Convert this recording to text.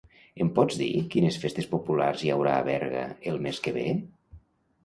Em pots dir quines festes populars hi haurà a Berga el mes que ve?